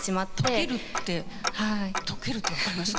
溶けるって溶けるって分かります？